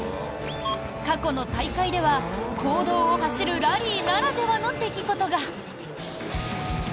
過去の大会では、公道を走るラリーならではの出来事が。